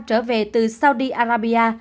trở về từ saudi arabia